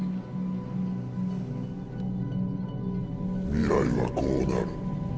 未来はこうなる。